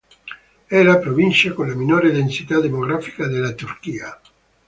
È la provincia con la minore densità demografica della Turchia.